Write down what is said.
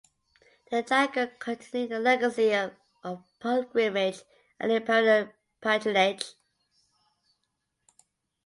Jahangir continued the legacy of pilgrimage and imperial patronage.